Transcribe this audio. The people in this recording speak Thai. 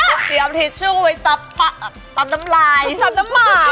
เตรียมทิชชู่ไว้ซับปะซับน้ำหลายซับน้ำหมาก